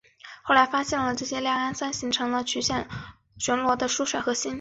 后来发现这些亮氨酸形成了卷曲螺旋的疏水核心。